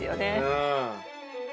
うん。